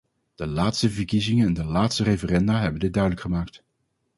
De laatste verkiezingen en de laatste referenda hebben dit duidelijk gemaakt.